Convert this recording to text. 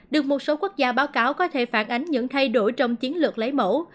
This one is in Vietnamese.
được một số quốc gia báo cáo có thể phản ánh những thay đổi trong chiến lược lấy mẫu